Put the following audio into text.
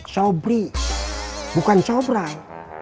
sobri bukan sobrai